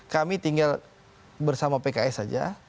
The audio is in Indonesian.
kami tinggal bersama pks saja